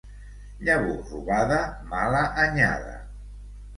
Llavor robada, mala anyada.